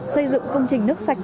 xây dựng công trình nước sạch